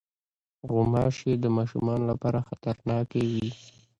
غوماشې د ماشومو لپاره خطرناکې وي.